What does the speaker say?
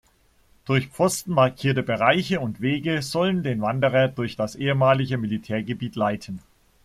Durch Pfosten markierte Bereiche und Wege sollen den Wanderer durch das ehemalige Militärgebiet leiten.